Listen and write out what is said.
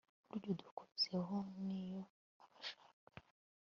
burya udukozeho niyo abashaka